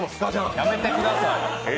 やめてください。